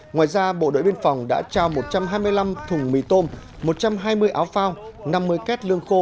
ngoài ra bộ đội biên phòng đã trao một trăm hai mươi năm thùng mì tôm một trăm hai mươi áo phao năm mươi két lương khô